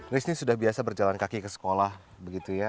risni sudah biasa berjalan kaki ke sekolah begitu ya